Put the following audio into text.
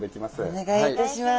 お願いいたします。